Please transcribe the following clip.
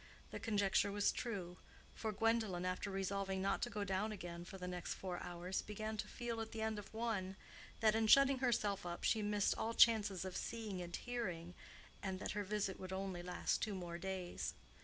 The conjecture was true; for Gwendolen, after resolving not to go down again for the next four hours, began to feel, at the end of one, that in shutting herself up she missed all chances of seeing and hearing, and that her visit would only last two days more.